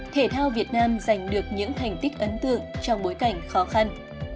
một mươi một thể thao việt nam giành được những thành tích ấn tượng trong bối cảnh khó khăn